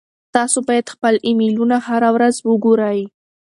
تاسو باید خپل ایمیلونه هره ورځ وګورئ.